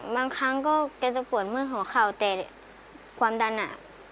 บางครั้งก็จะปวดมือของเขาแต่ความดันอะ